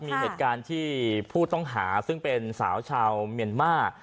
มีเหตุการณ์ที่ผู้ต้องหาซึ่งเป็นสาวชาวเมียนมาร์